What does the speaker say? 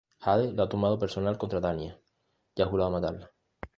Jade lo ha tomado personal contra Tanya, y ha jurado matarla.